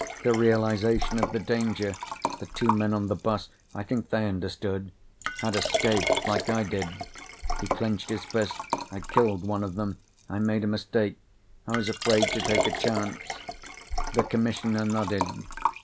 The realization of the danger. The two men on the bus. I think they understood. Had escaped, like I did." He clenched his fists. "I killed one of them. I made a mistake. I was afraid to take a chance." The Commissioner nodded.